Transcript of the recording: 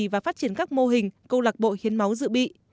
và phát triển các mô hình câu lạc bộ hiến máu dự bị